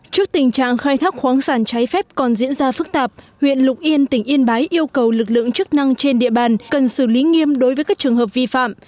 trước tình trạng khai thác khoáng sản trái phép còn diễn ra phức tạp huyện lục yên tỉnh yên bái yêu cầu lực lượng chức năng trên địa bàn cần xử lý nghiêm đối với các trường hợp vi phạm